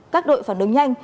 các đội phản ứng nhanh